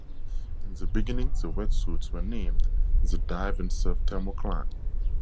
In the beginning the wetsuits were named the Dive N Surf Thermocline.